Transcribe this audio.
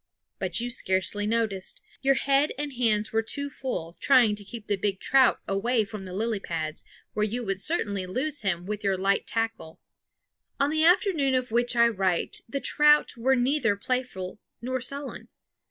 But you scarcely noticed; your head and hands were too full, trying to keep the big trout away from the lily pads, where you would certainly lose him with your light tackle. On the afternoon of which I write the trout were neither playful nor sullen.